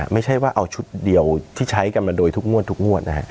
ไม่ใช่ว่าเอาชุดเดียวที่ใช้กันมาโดยทุกงวดทุกงวดนะฮะ